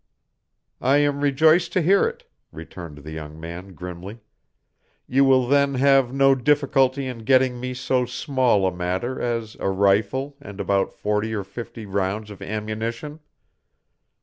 "I am rejoiced to hear it," returned the young man, grimly; "you will then have no difficulty in getting me so small a matter as a rifle and about forty or fifty rounds of ammunition."